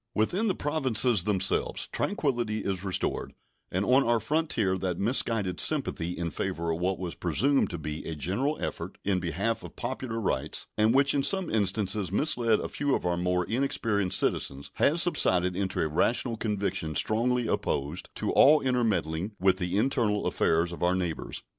Within the Provinces themselves tranquillity is restored, and on our frontier that misguided sympathy in favor of what was presumed to be a general effort in behalf of popular rights, and which in some instances misled a few of our more inexperienced citizens, has subsided into a rational conviction strongly opposed to all intermeddling with the internal affairs of our neighbors.